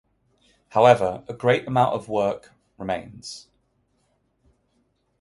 However, a great amount of work remains.